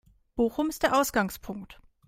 Bochum ist der Ausgangspunkt.